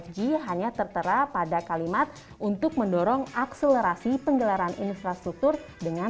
lima g hanya tertera pada kalimat untuk mendorong akselerasi penggelaran infrastruktur dengan